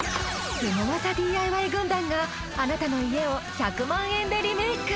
スゴ技ＤＩＹ軍団があなたの家を１００万円でリメイク！